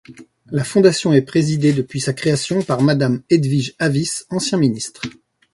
La fondation est présidée depuis sa création par madame Edwige Avice, ancien ministre.